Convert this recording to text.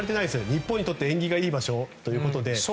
日本にとって縁起がいい場所ということで。